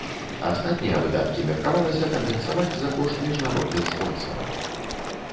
Астатнія выдаткі меркавалася кампенсаваць за кошт міжнародных спонсараў.